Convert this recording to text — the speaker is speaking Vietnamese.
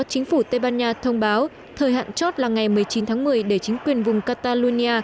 chính phủ tây ban nha thông báo thời hạn chót là ngày một mươi chín tháng một mươi để chính quyền vùng catalonia